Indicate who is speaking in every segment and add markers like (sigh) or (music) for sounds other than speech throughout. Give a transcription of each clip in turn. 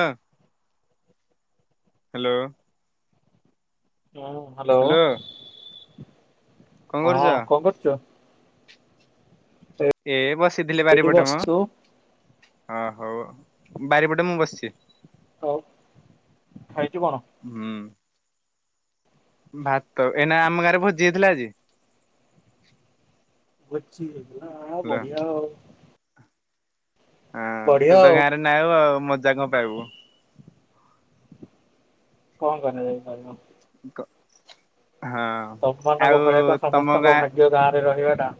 Speaker 1: ହଁ ହ୍ୟାଲୋ।
Speaker 2: ହୁଁ ହ୍ୟାଲୋ
Speaker 1: କଣ କରୁଛ?
Speaker 2: ହଁ କଣ କରୁଛ।
Speaker 1: ଏ ବସିଥିଲି
Speaker 2: ଏଇଠି
Speaker 1: ବାରିପଟେ ମ
Speaker 2: ବସିଛୁ
Speaker 1: ହଁ ହଉ। ବାରିପଟେ ମୁଁ ବସିଚି।
Speaker 2: ହଉ ଆ
Speaker 1: ହୁଁ। ଭାତ ଏଇନା ଆମ ଗାଁରେ ଭୋଜି ହେଇଥିଲା ଯେ
Speaker 2: ଭୋଜି ହେଇଥିଲା ଆ ବଢିଆ ଆଉ
Speaker 1: ହଁ
Speaker 2: ବଢିଆ
Speaker 1: ତୁ ତ
Speaker 2: ଆଉ
Speaker 1: ଗାଁରେ ନାଉ ଆଉ ମଜା କଣ ପାଇବୁ।
Speaker 2: କଣ କରାଯାଇପାରିବ।
Speaker 1: କ (unintelligible)
Speaker 2: ତମମାନଙ୍କ ଭଳିଆ କଣ ସମସ୍ତଙ୍କ
Speaker 1: ଗାଁ
Speaker 2: ଭାଗ୍ୟ ଗାଁରେ ରହିବା ଟା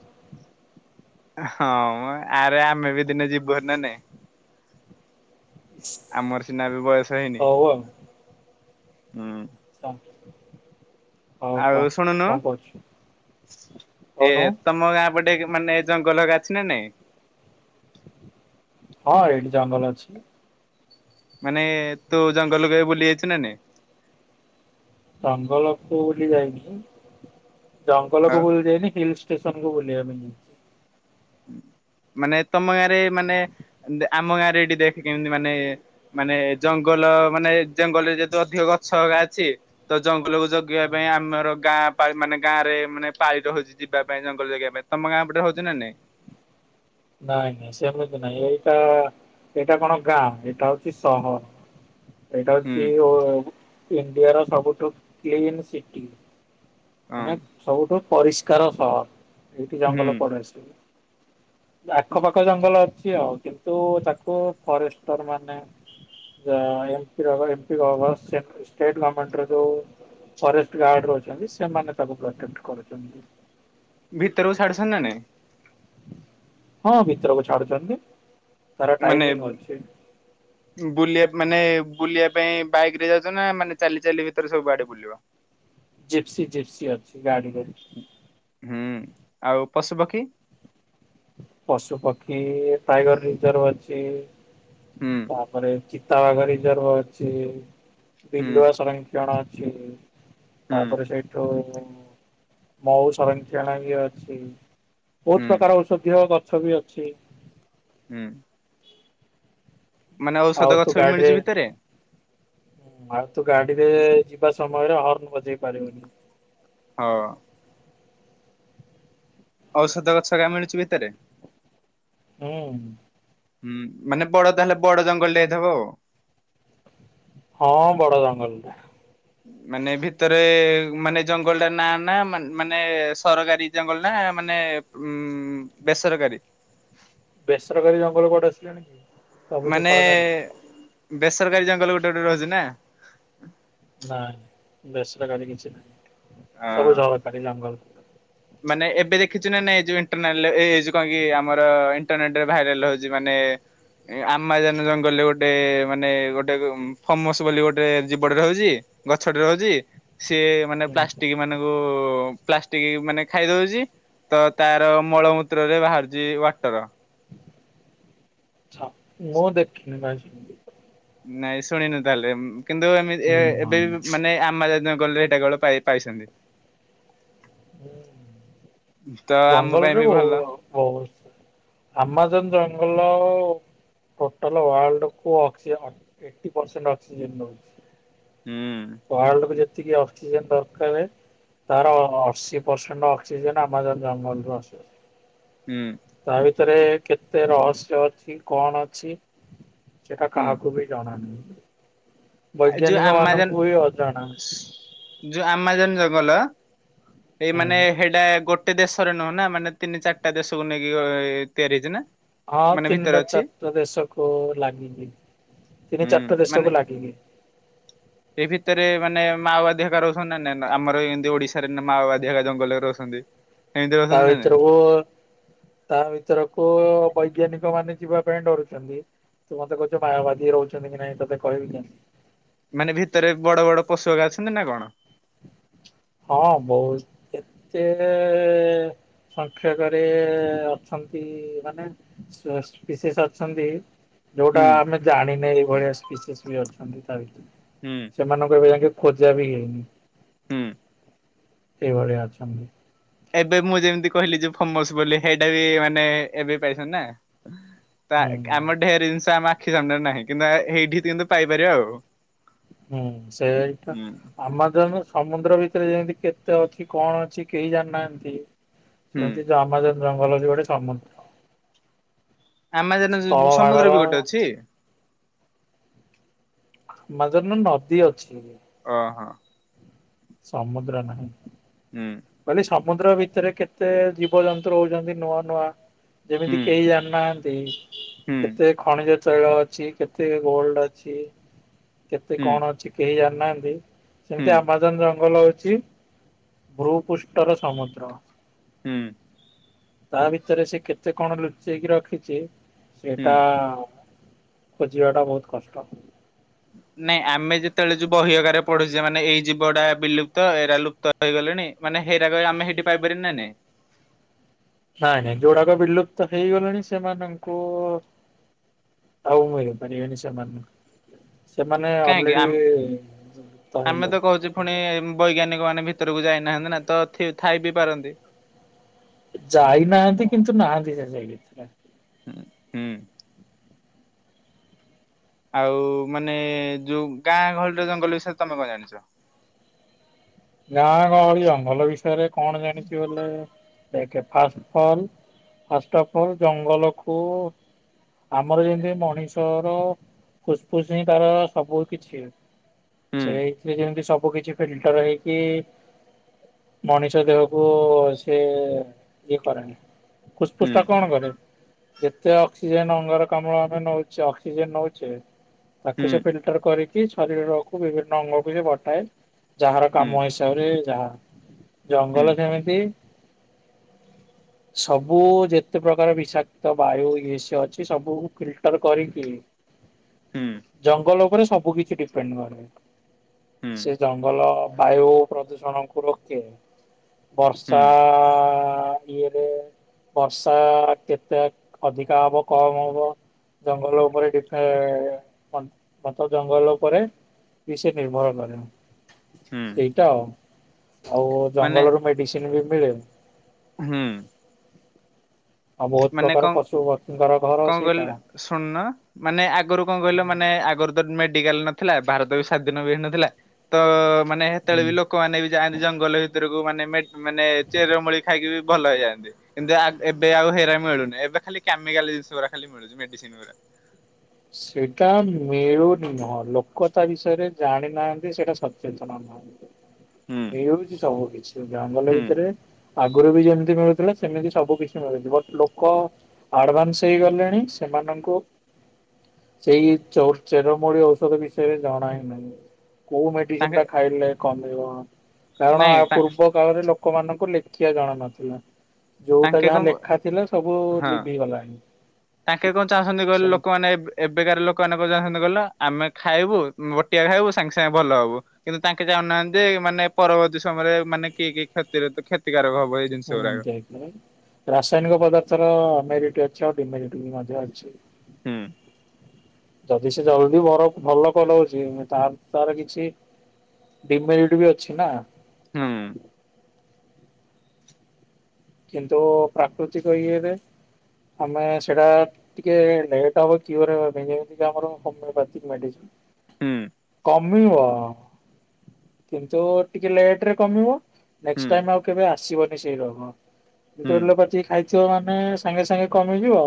Speaker 1: ଆ ହଁ ଆରେ ଆମେ ବି ଦିନେ ଯିବୁହାରି ନା ନାଇଁ। ଆମର ସିନା ଏବେ ବୟସ ହେଇନି।
Speaker 2: ହଉ ଆଉ।
Speaker 1: ହୁଁ।
Speaker 2: (unintelligible) ହଉ କହ
Speaker 1: ଆଉ ଶୁଣୁନୁ
Speaker 2: କଣ କରୁଛୁ?
Speaker 1: ଏ ତମ ଗାଁ ପଟେ ମାନେ ଜଙ୍ଗଲ ହାରିକା ଅଛି ନା ନାଇଁ।
Speaker 2: ହଁ ଏଇଠି ଜଙ୍ଗଲ ଅଛି।
Speaker 1: ମାନେ ତୁ ଜଙ୍ଗଲକୁ ବୁଲି ଯାଇଛୁ ନାଇଁ?
Speaker 2: ଜଙ୍ଗଲ କ ବୁଲି ଯାଇନି। ଜଙ୍ଗଲକୁ
Speaker 1: ଆଉ?
Speaker 2: ବୁଲି ଯାଇନି ହିଲ୍ (unintelligible) ବୁଲିବା ପାଇଁ ଯାଇଚି।
Speaker 1: ମାନେ ତମ ଗାଁ ରେ ମାନେ ଆମ ଗାଁରେ ଏଠି ଦେଖ କେମିତି ମାନେ ମାନେ ଜଙ୍ଗଲ ଜଙ୍ଗଲ ମାନେ ଜଙ୍ଗଲରେ ଯେତେ ଅଧିକ ଗଛ ହାରିକା ଅଛି ତ ଜଙ୍ଗଲକୁ ଜଗିବା ପାଇଁ ଆମର ଗାଁ ପାଳି ଗାଁରେ ମାନେ ପାଳି ରହୁଛି ଯିବା ପାଇଁ ଜଙ୍ଗଲ ଜଗିବା ପାଇଁ ତମ ଗାଁ ପଟେ ହଉଛି ନା ନାଇଁ?
Speaker 2: ନାଇଁ ନାଇଁ ସେମିତି ନାଇଁ ଏଇଟା ଏଇଟା କଣ ଗାଁ ଏଇଟା ହଉଛି ସହ ଏଇଟା
Speaker 1: ହୁଁ
Speaker 2: ହଉଛି ଏ ଓ ଇଣ୍ଡିଆର ସବୁଠୁ କ୍ଲିନ ସିଟି। ମାନେ
Speaker 1: ହଁ
Speaker 2: ସବୁଠୁ ପରିଷ୍କାର ସହର ଏଇଠି
Speaker 1: ହୁଁ
Speaker 2: ଜଙ୍ଗଲ କୁଆଡୁ ଆସିବ। ଆଖପାଖ ଜଙ୍ଗଲ ଅଛି ଆଉ କିନ୍ତୁ ତାକୁ ଫରେଷ୍ଟର ମାନେ ଏଇଟା ଏମ୍ପି ର ଏମ୍ପି ଗଭର୍ମେଣ୍ଟ ଷ୍ଟେଟ୍ ଗମେଣ୍ଟ ର ଯୋଉ ଫରେଷ୍ଟ ଗାର୍ଡ ଅଛନ୍ତି ସେମାନେ ତାକୁ ପ୍ରଟେକ୍ଟ କରୁଛନ୍ତି।
Speaker 1: ଭିତରକୁ ଛାଡୁଛନ୍ତି ନା ନାଇଁ।
Speaker 2: ହଁ ଭିତରକୁ ଛାଡୁଛନ୍ତି। ତାର
Speaker 1: ମାନେ
Speaker 2: ଟାଇମିଂ ଅଛି।
Speaker 1: ବୁଲିବା ମାନେ ବୁଲିବା ପାଇଁ ବାଇକ ରେ ଯାଉଛ ନା ମାନେ ଚାଲି ଚାଲି ଭିତରେ ସବୁ ଆଡେ ବୁଲିବ।
Speaker 2: ଜିପ୍ସି ଜିପ୍ସି ଅଛି ଗାଡିରେ।
Speaker 1: ହୁଁ ଆଉ ପଶୁପକ୍ଷୀ?
Speaker 2: ପଶୁ ପକ୍ଷୀ ଟାଇଗର ରିଜର୍ଭ ଅଛି
Speaker 1: ହୁଁ
Speaker 2: ତାପରେ ଚି ଚିତାବାଘ ରିଜର୍ଭ ଅଛି
Speaker 1: ହୁଁ
Speaker 2: ବିଲୁଆ ସଂରକ୍ଷଣ ଅଛି।
Speaker 1: ହୁଁ
Speaker 2: ତାପରେ ସେଇଠୁ ମହୁ ସଂରକ୍ଷଣ ବି ଅଛି। ବହୁତ
Speaker 1: ହୁଁ
Speaker 2: ପ୍ରକାର ଔଷଧୀୟ ଗଛ ବି ଅଛି।
Speaker 1: ହୁଁ। ମାନେ ଔଷଧ ଗଛ ବି ମିଳୁଛି ଭିତରେ?
Speaker 2: ହୁଁ ଆଉ ତୁ ଗାଡିରେ ଯିବା ସମୟରେ ହର୍ଣ ବଜେଇ ପାରିବୁନି।
Speaker 1: ହଁ। ଔଷଧ ଗଛ ହେକା ମିଳୁଚି ଭିତରେ?
Speaker 2: ହୁଁ।
Speaker 1: ହୁଁ ମାନେ ବଡ ତାହେଲେ ବଡ ଜଙ୍ଗଲରେ ହେଇଥିବ ଆଉ।
Speaker 2: ହଁ ବଡ ଜଙ୍ଗଲଟା।
Speaker 1: ମାନେ ଭିତରେ ମାନେ ଜଙ୍ଗଲ ଟା ନା ନା ମାନେ ସରକାରୀ ଜଙ୍ଗଲ ନା ମାନେ ଉ ବେସରକାରୀ।
Speaker 2: ବେସରକାରୀ ଜଙ୍ଗଲ କୁଆଡୁ ଆସିଲାଣି କି। ସବୁ ତ
Speaker 1: ମାନେ
Speaker 2: ସରକାରୀ
Speaker 1: ବେସରକାରୀ ଜଙ୍ଗଲ ଗୋଟେ ଗୋଟେ ରହୁଛି ନା।
Speaker 2: ନାଇଁ ବେସରକାରୀ କିଛି ନାହିଁ
Speaker 1: ହଁ।
Speaker 2: ସବୁ ସରକାରୀ ଜଙ୍ଗଲ।
Speaker 1: ମାନେ ଏବେ ଦେଖିଛୁ ନା ନାଇଁ ଯୋଉ ଇଣ୍ଟରନାଲ୍ ଏଇ ଯୋଉ କଣ କି ଆମର ଇଣ୍ଟରନେଟ ରେ ଭାଇରାଲ ହଉଛି ମାନେ ଆମ୍ମାଜାନ ଜଙ୍ଗଲରେ ଗୋଟେ ମାନେ ଗୋଟେ ଫମସ ବୋଲି ଗୋଟେ ଜୀବ ଟେ ରହୁଛି ଗଛ ଟି ରହୁଛି ସିଏ ମାନେ
Speaker 2: ହୁଁ
Speaker 1: ପ୍ଲାଷ୍ଟିକ ମାନଙ୍କୁ ପ୍ଲାଷ୍ଟିକ ମାନେ ଖାଇଦଉଛି ତ ତାର ମଳମୂତ୍ରରେ ବାହାରୁଛି ୱାଟର।
Speaker 2: ଆଛା ମୁଁ ଦେଖିନି ଭାଇ। ସେମିତି।
Speaker 1: ନାଇଁ ଶୁଣିନୁ ତାହେଲେ କିନ୍ତୁ ଏମିତି
Speaker 2: ହୁଁ ହଁ
Speaker 1: ଏବେ ବି ମାନେ ଆମ ଜା ଗଲେ ଏଇଟା କେବଳ ପାଇ ପାଇଛନ୍ତି।
Speaker 2: ହୁଁ।
Speaker 1: ତ ଆମ ପାଇଁ
Speaker 2: ଜଙ୍ଗଲରେ
Speaker 1: ବି
Speaker 2: ବହୁ
Speaker 1: ଭଲ
Speaker 2: ବହୁତ ଆମାଜନ ଜଙ୍ଗଲ ଟୋଟାଲ ୱାର୍ଡକୁ କୁ ଅକ୍ସିଜେନ ଫିଫ୍ଟି ପରସେଣ୍ଟ ଅକ୍ସିଜେନ ଦଉଛି।
Speaker 1: ହୁଁ
Speaker 2: ୱାଲ୍ଡ କୁ ଯେ ଯେତିକି ଅକ୍ସିଜେନ ଦରକାର ତାର ଅ ଅଶୀ ପରସେଣ୍ଟ ଅକ୍ସିଜେନ ଆମାଜନ୍ ଜାଙ୍ଗଲ ରୁ ଆସୁଅଛି।
Speaker 1: ହୁଁ।
Speaker 2: ତା ଭିତରେ କେତେ ରହସ୍ୟ ଅଛି କଣ ଅଛି ସେଟା
Speaker 1: ହୁଁ।
Speaker 2: କାହାକୁ ବି ଜଣାନହି।
Speaker 1: ଯୋଉ
Speaker 2: ବୈଜ୍ଞାନିକ
Speaker 1: ଆମାଜନ
Speaker 2: ମାନଙ୍କୁ ବି ଅଜଣା।
Speaker 1: ଯୋଉ ଆମାଜନ ଜଙ୍ଗଲ ଏଇ ମାନେ
Speaker 2: ହୁଁ।
Speaker 1: ହେଟା ଗୋ ଗୋଟେ ଦେଶରେ ନୁହେଁ ନା ମାନେ ତିନି ଚାରିଟା ଦେଶକୁ ନେଇକି ଅ ତିଆରି ହେଇଛି ନା।
Speaker 2: ହଁ
Speaker 1: ମାନେ ଭିତରେ
Speaker 2: ତିନିଟା
Speaker 1: ଅଛି।
Speaker 2: ଚାରିଟା ଦେଶକୁ ଲାଗିକି। ଟିକେ ଚାରିଟା ଦେଷ କୁ ଲାଗିିନି।
Speaker 1: ସେଇ ଭିତରେ ମାନେ ମାଓବାଦୀ ହେରିକା ରହୁଛନ୍ତି ନା ନାଇଁ ଆମର ଏମିତି ଓଡିଶାରେ ମାଓବାଦୀ ହେରିକା ଜଙ୍ଗଲରେ ରହୁଛନ୍ତି। ଦେ
Speaker 2: ତା ଭିତରକୁ ତା ଭିତରକୁ ପଇ ବୈଜ୍ଞାନିକ ମାନେ ଯିବା ପାଇଁ ଡରୁଛନ୍ତି। ତୁ ମତେ କହୁଛୁ ମାାୟବାଦୀ ରହୁଛନ୍ତି କି ନାଇଁ ତତେ କହିବିନି।
Speaker 1: ମାନେ ଭିତରେ ବଡ ବଡ ପଶୁ ହେରିକ ଅଛନ୍ତି ନା କଣ?
Speaker 2: ହଁ ବହୁତ ଏତେ ସଂଖ୍ୟ କରେ ଅଛନ୍ତି ମାନେ ସେ ବିଶେଷ ଅଛନ୍ତି। ଯୋଉଟା
Speaker 1: ହୁଁ
Speaker 2: ଆମେ ଜାଣିନେ ଏଇଭଳିଆ ବି ସ୍ପିଚ ଅଛନ୍ତି। ତା ଭିତରେ
Speaker 1: ହୁଁ
Speaker 2: ସେମାନଙ୍କୁ ଯାଇକି ଖୋଜା ବି ହେଇନି।
Speaker 1: ହୁଁ।
Speaker 2: ସେଇଭଳିଆ ଅଛନ୍ତି।
Speaker 1: ଏବେ ମୁଁ ଯେମିତି କହିଲି ଯେ ଫମସ ବୋଲି ସେଇଟା ବି ମାନେ ଏବେ ପାଇସନ ନା
Speaker 2: ହୁଁ।
Speaker 1: ଆମ ଢେର ଜିନିଷ ଆମ ଆଖି ସାମ୍ନାରେ ନାହିଁ କିନ୍ତୁ ସେଇଠି କିନ୍ତୁ ପାଇପାରିବା ଆଉ।
Speaker 2: ହୁଁ ସେଇଟା
Speaker 1: ହୁଁ।
Speaker 2: ଆମ ଜ ସମୁଦ୍ର ଭିତରେ ଯେମିତି କେତେ ଅଛି କଣ ଅଛି କେହି ଜାଣିନାହାନ୍ତି
Speaker 1: ହୁଁ।
Speaker 2: ଯେମିତି ଆମାଜନ୍ ଜଙ୍ଗଲ ଯ ଗୋଟେ ସମୁଦ୍ର
Speaker 1: ଆମାଜନ୍
Speaker 2: ସ୍ଥଳ ଭାଗର
Speaker 1: ସମୁଦ୍ର ବି ଗୋଟେ ଅଛି?
Speaker 2: ମାଦରୁନ ନଦୀ ଅଛି।
Speaker 1: ଅହୋ।
Speaker 2: ସମୁଦ୍ର ନାହିଁ।
Speaker 1: ହୁଁ।
Speaker 2: କହିଲି ସମୁଦ୍ର ଭିତରେ କେତେ ଜୀବଜନ୍ତୁ ରଉଛନ୍ତି ନୂଆ ନୂଆ। ଯେମିତି
Speaker 1: ହୁଁ
Speaker 2: କେହି ଜାଣିନାହାନ୍ତି
Speaker 1: ହୁଁ
Speaker 2: କେତେ ଖଣିଜ ତୈଳ ଅଛି କେତେ ଗୋଲଡ ଅଛି କେତେ
Speaker 1: ହୁଁ
Speaker 2: କଣ ଅଛି କେହି ଜାଣିନାହାନ୍ତି। ସେମିତି
Speaker 1: ହୁଁ
Speaker 2: ଆମାଜନ ଜଙ୍ଗଲ ହଉଛି ଭୂପୃଷ୍ଠର ସମୁଦ୍ର।
Speaker 1: ହୁଁ।
Speaker 2: ତା ଭିତରେ ସେ କେତେ କଣ ଲୁଚେଇକି ରଖିଛି ସେଟା
Speaker 1: ହୁଁ।
Speaker 2: ଖୋଜିବା ଟା ବହୁତ କଷ୍ଟ।
Speaker 1: ନାଇଁ ଆମେ ଯେତେବେଳେ ଯୋଉ ବହି ଆଗାରେ ପଢୁଛେ ମାନେ ଏଇ ଜୀବଟା ବିଲୁପ୍ତ ଏଇଟା ଲୁପ୍ତ ହେଇଗଲା ମାନେ ହେଇରାକ ଆମେ ସେଇଠି ପାଇପାରିନ ନାଇଁ।
Speaker 2: ନାଇଁ ନାଇଁ ଯୋଉଡାକ ବିଲୁପ୍ତ ହେଇଗଲେଣି ସେମାନଙ୍କୁ ଆଉ ମିଳି ପାରିବେନି ସେମାନଙ୍କୁ।
Speaker 1: କାହିଁକି, ଆମେ ତ କହୁଛୁ ପୁଣି ବୈଜ୍ଞାନିକ ମାନେ ଭି ଭିତରକୁ ଯାଇନାହାନ୍ତି ନା ତ ଥାଇ ବି ପାରନ୍ତି
Speaker 2: ଯାଇନାହାନ୍ତି କିନ୍ତୁ ନାହାନ୍ତି ସେ ଯାଇ ଭରେ
Speaker 1: ହୁଁ ହୁଁ। ଆଉ ମାନେ ଯୋଉ ଗାଁ ଗହଳିରେ ଜଙ୍ଗଲ ବିଷୟରେ ତମେ କଣ ଜାଣିଛ?
Speaker 2: ଗାଁ କହଳିଙ୍ଗଲ ବିଷୟରେ କଣ ଜାଣିଛ ବଲେ ଦେଖେ ଫାଷ୍ଟ ଫଲ୍ ଫାଷ୍ଟ ପଲ୍ ଜଙ୍ଗଲକୁୁ ଆମର ଯେମିତି ମଣିଷର ଫୁସ୍ଫୁସ୍ ହି ତାର ସବୁ କିଛି।
Speaker 1: ହୁଁ
Speaker 2: ସେଇଥିରେ ଯେମିତି ସବୁ କିଛି ଫିଲ୍ଟର ହେଇ କି ମଣିଷ ଦେହକୁ ସେ ଇଏ କରେନି। ଫୁସ୍‌ଫୁସ୍
Speaker 1: ହୁଁ
Speaker 2: ଟା କଣ କରେ? ଯେତେ ଅକ୍ସିଜେନ ଅଙ୍ଗାରକାମ୍ଳ ଆମେ ନଉଛେ ଅକ୍ସିଜେନ ନଉଛେ ତାକୁ
Speaker 1: ହୁଁ
Speaker 2: ସେ ଫିଲ୍ଟର କରିକି ଶରୀରକୁ ବିଭିନ୍ନ ଅଙ୍ଗକୁ ସେ ବଟାଏ
Speaker 1: ହୁଁ
Speaker 2: କାମ ହିସାବରେ ଯାହା
Speaker 1: ହୁଁ
Speaker 2: ଜଙ୍ଗଲ କେମିତି ସବୁ ଯେତେ ପ୍ରକାର ବିଷାକ୍ତ ବାୟୁ ଏସ ଅଛି ସବୁ ଫିଲ୍ଟର କରିକି
Speaker 1: ହୁଁ
Speaker 2: ଜଙ୍ଗଲ ଉପରେ ସବୁ କିିଛି ଡିପେଣ୍ଡ କରେ
Speaker 1: ହୁଁ
Speaker 2: ସେ ଜଙ୍ଗଲ ବାୟୁ ପ୍ରଦୂଷଣକୁ ରୋକେ।
Speaker 1: ହୁଁ
Speaker 2: ବର୍ଷା ଇଏରେ ବର୍ଷା କେତେ ଅଧିକା ହବ କମ ହବ ଜଙ୍ଗଲ ଉପରେ (unintelligible) ଘ ଘଞ୍ଚ ଜଙ୍ଗଲ ଉପରେ କି ସେ ନିର୍ଭର କରେ
Speaker 1: ହୁଁ
Speaker 2: ସେଇଟା ଆଉ ଆଉ
Speaker 1: ମାନେ
Speaker 2: ଜଙ୍ଗଲରୁ ମେଡିସିନ ବି ମିଳେ
Speaker 1: ହୁଁ।
Speaker 2: ଆଉ ବହୁତ
Speaker 1: ମାନେ
Speaker 2: ପ୍ରକାର
Speaker 1: କଣ
Speaker 2: ପଶୁ ପକ୍ଷୀ
Speaker 1: କଣ କହିଲ ଶୁନ ମାନେ ଆଗରୁ କଣ କହିଲ ମାନେ ଆଗରୁ ମେଡିକାଲ ନଥିଲା ଭାରତ ବି ସ୍ଵାଧୀନ ବି ହେନଥିଲା ତ ମାନେ ହେତେବେଳେ ବି ଲୋକମାନେ ବି ଯାଆନ୍ତି ଜଙ୍ଗଲ ଭିତରକୁ ମାନେ ମାନେ ଚେରମୂଳି ଖାଇକି ବି ଭଲ ହେଇଯାନ୍ତି କିନ୍ତୁ ଏବେ ଆଉ ହେରା ମିଳୁନି ଏବେ ଖାଲି କ୍ୟାମିକାଲ ଜିନିଷ ଗୁରା ଖାଲି ମିଳୁଚି ମେଡିସିନ୍ ଗୁରା।
Speaker 2: ସେଇଟା ମିଳୁନି ନୁହଁ ଲୋକ ତା ବିଷୟରେ ଜାଣିନାହାନ୍ତି ସେଇଟା ସଚେତନ ନାହାନ୍ତି।
Speaker 1: ହୁଁ
Speaker 2: ମିଳୁଚି ସବୁ କିଛି ଜଙ୍ଗଲ
Speaker 1: ହୁଁ
Speaker 2: ଭିତରେ। ଆଗରୁ ବି ଯେମିତି ମିଳୁଥିଲା ସେମିତି ସବୁ କିଛି ମିଳୁଛି ବଟ୍ ଲୋକ। ଆଡ଼ଭାନ୍ସ ହେଇଗଲେଣି ସେମାନଙ୍କୁ। ସେଇ ଚଉ ଚେରମୂଳି ଔଷଧ ବିଷୟରେ ଜଣାଇନାହି। କୋଉ ମେଡି଼ସିନ
Speaker 1: ତାଙ୍କେ
Speaker 2: ଟା ଖାଇଲେ କମିବ କାରଣ
Speaker 1: ନାଇଁ ତା
Speaker 2: ପୂର୍ବ କାଳରେ ଲୋ କୋଉମାନଙ୍କୁ ଲେଖିବା ଜଣା ନଥିଲା। ଯୋଉଟା
Speaker 1: ତାଙ୍କେ
Speaker 2: ଯାହା
Speaker 1: କଣ
Speaker 2: ଲେଖା ଥିଲା ସବୁ
Speaker 1: ହଁ।
Speaker 2: ଲିଭିଗଲାଣି।
Speaker 1: ତାଙ୍କେ କଣ ଚାହୁଁଛନ୍ତି କହିଲ୍ ଲୋକମାନେ ନା, ଏବ୍ ଏବେକାର ଲୋକମାନେ (unintelligible) କହିଲ ଆମେ ଖାଇବୁ ବୋଟିଆ ଖାଇବୁ ସାଙ୍ଗେ ସାଙ୍ଗେ ଭଲ ହବୁ କିନ୍ତୁ ତାଙ୍କେ ଜହୁନାହାନ୍ତି ମାନେ ପରବର୍ତ୍ତୀ ସମୟରେ ମାନେ କିଏ କିଏ କ୍ଷତିରତ କ୍ଷତିକାରକ ହବ। ଏଇ ଜିନିଷ
Speaker 2: ହୁଁ
Speaker 1: ଗୁଡାକ।
Speaker 2: ଯାଇଥିଲା ପା ରାସାୟନିକ ପଦାର୍ଥର ଆମେରି କିଏ ଅଛ ଡ଼ିମେରିଟିଭ୍ ମଧ୍ୟ ଅଛି।
Speaker 1: ହୁଁ।
Speaker 2: ଯଦି ସେ ଜଲଦି ବରଫ୍ ଭଲ କରଉଛି ତାରେ ତାର କିଛି ଡି଼ମେରିଟ୍ ବି ଅଛି ନା?
Speaker 1: ହୁଁ।
Speaker 2: କିନ୍ତୁ ପ୍ରାକୃତିକ ଇଏରେ ଆମେ ସେଟା ଟିକେ ଲେଟ୍ ହବ କିଲିଇର ହେବାପାଇଁ ଯେମତି ଆମର ହୋମ୍ୟପାଥି ମେଡ଼ିସିନ୍। କମିଵ କିନ୍ତୁ ଟିକେ ଲେଟ୍ ରେ କମିବ।
Speaker 1: ହୁଁ
Speaker 2: ନେକ୍ସଟାଇମ୍ ଆଉ କେଭେ ଆସିବନି ସେଇ ରୋଗ
Speaker 1: ହୁଁ ହୁଁ
Speaker 2: ଯେତେବେଳେ ଲୋକଟି ଖାଇଥିବ ମାନେ ସାଙ୍ଗେ ସାଙ୍ଗେ ସାଙ୍ଗେ କମିଯିବ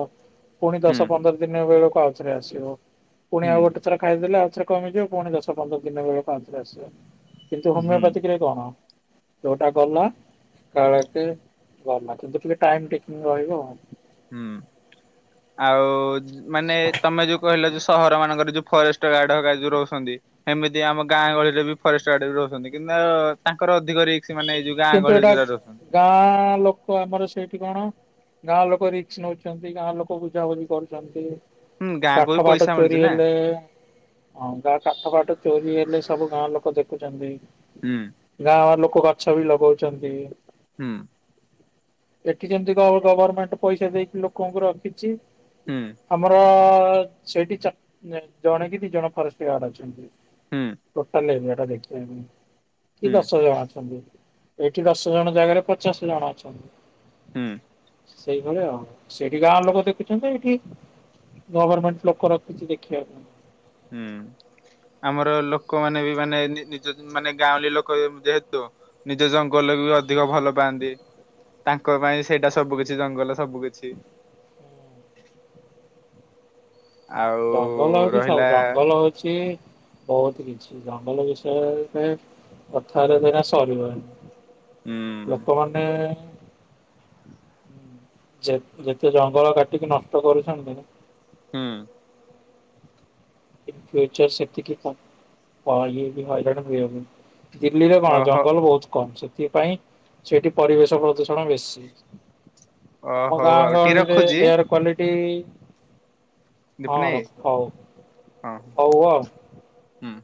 Speaker 2: ପୁଣି
Speaker 1: ହୁଁ
Speaker 2: ଦଶ ପନ୍ଦର ଦିନ ବେଳକୁ ଆଉ ଥରେ ଆସିବ। ପୁଣି
Speaker 1: ହୁଁ
Speaker 2: ଆଉ ଗୋଟେ ଥର ଖାଇଦେଲେ ଆଉଥରେମିଯିବ ପୁଣି ଦଶ ପନ୍ଦର ଦିନ ବେଳକୁ ଆଉଥରେ ଆସିବ। କିନ୍ତୁ
Speaker 1: ହୁଁ
Speaker 2: ହୋମିଓପାଥିକରେ କଣ ଯୋଟା ଗଲା କଳ ଦରମା କିନ୍ତୁ ଟିକେ ଟାଇମ ଟେକିଙ୍ଗ ରହିବ ଆଉ।
Speaker 1: ହୁଁ ଆଉ ମାନେ ତମେ ଯୋଉ କହିଲ ଯୋଉ ସହର ମାନଙ୍କରେ ଯୋଉ ଫରେଷ୍ଟ ଗାର୍ଡ ହେଇକା ଯଉ ରହୁଛନ୍ତି ସେମିତି ଆମ ଗାଁ ଗହଳିରେ ବି ଫରେଷ୍ଟ ଗାର୍ଡ ରହୁଛନ୍ତି କିନ୍ତୁ ଅ-ଅ ତାଙ୍କର ଅଧିକରେ
Speaker 2: କିନ୍ତୁ ଏଇଟା ଗାଁ ଲୋକ ଆମର ସେଇଠି କଣ? ଗାଁ ଲୋକ ରିକ୍ସ ନଉଛନ୍ତି ଗାଁ ଲୋକ ବୁଝାବୁଝି କରୁଛନ୍ତି।
Speaker 1: ହୁଁ ଗାଁକୁ
Speaker 2: କାଠ
Speaker 1: ବି
Speaker 2: ପାଠ
Speaker 1: ପଇସା
Speaker 2: ଚୋରି
Speaker 1: ମିଳୁଛି ନା
Speaker 2: ହେଲେ ହଁ ଗା କାଠ ପାଠ ଚୋରି ହେଲେ ସେ ସବୁ ଗାଁ ଲୋକ ଦେଖୁଛନ୍ତି
Speaker 1: ହୁଁ
Speaker 2: ଗାଁ ଲୋକ ଗଛ ବି ଲଗଉଛନ୍ତି।
Speaker 1: ହୁଁ।
Speaker 2: ଏଠି ଯେମିତି କଣ ଗଭର୍ଣମେଣ୍ଟ ପଇସା ଦେଇକି ଲୋକଙ୍କୁ ରଖିଛି।
Speaker 1: ହୁଁ
Speaker 2: ଆମର ସେଇଠି ଜଣେ କି ଦି ଜଣ ଫରେଷ୍ଟ ଗାର୍ଡ ଅଛନ୍ତି।
Speaker 1: ହୁଁ
Speaker 2: ଟୋଟାଲ ଏଟା ଦେଖିବା ପାଇଁ କି
Speaker 1: ହୁଁ
Speaker 2: ଦଶ ଜଣ ଅଛନ୍ତି। ଏଇଠି ଦଶ ଜଣ ଜାଗାରେ ପଚାଶ ଜଣ ଅଛନ୍ତି।
Speaker 1: ହୁଁ।
Speaker 2: ସେଇଭଳିଆ ଆଉ ସେଇଠି ଗାଁ ଲୋକ ଦେଖୁଛନ୍ତି। ଏଇଠି ଗଭର୍ଣମେଣ୍ଟ ଲୋକ ରଖିଛି ଦେଖିବାକୁ।
Speaker 1: ହୁଁ। ଆମର ଲୋକମାନେ ବି ମାନେ ନିଜ ମାନେ ଗାଁଉଲି ଲୋକ ଯେହେତୁ ନିଜ ଜ ଜଙ୍ଗଲକୁ ବି ଅଧିକ ଭଲ ପାଆନ୍ତି। ତାଙ୍କ ପାଇଁ ସେଇଟା ସବୁ କିିଛି ଜଙ୍ଗଲ ସବୁ କିଛି। ଆଉ
Speaker 2: ଜଙ୍ଗଲ ହଉଛି ସବୁ,
Speaker 1: ରହିଲା
Speaker 2: ଜଙ୍ଗଲ ହଉଛି ବହୁତ କିଛି ଜଙ୍ଗଲ ବିଷୟରେ ତମେ କଥା ହେଲେ ତ ଏଇନା ସରିବନି।
Speaker 1: ହୁଁ।
Speaker 2: ଲୋକମାନେ ଯେ ଯେତେ ଜଙ୍ଗଲ କାଟିକି ନଷ୍ଟ କରୁଛନ୍ତି।
Speaker 1: ହଁ।
Speaker 2: ଇ ଫ୍ୟୁଚରସ ସେତିକି (unintelligible) ହଇରାଣ ମୁଁ ଦିଲ୍ଲୀରେ କଣ
Speaker 1: ଓହୋ
Speaker 2: ଜଙ୍ଗଲ ବହୁତ କମ ସେ ସେଥିପାଇଁ ସେଇଠି ପରିବେଶ ପ୍ରଦୂଷଣ ବେଶୀ।
Speaker 1: ଓ
Speaker 2: ଆମ
Speaker 1: ହଉ
Speaker 2: ଗାଁ
Speaker 1: ଆଉ ଟିକେ
Speaker 2: ଗହଳିରେ
Speaker 1: ରଖୁଛି
Speaker 2: ଏୟାର କ୍ଵାଲିଟି ଇ ହଁ
Speaker 1: ଦୀପନେଇ
Speaker 2: ରଖ ହଉ।
Speaker 1: ହଁ ହଁ
Speaker 2: ହଉ ଆଉ।
Speaker 1: ହୁଁ।